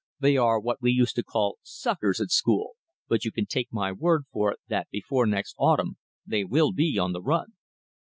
They are what we used to call suckers at school, but you can take my word for it that before next autumn they will be on the run."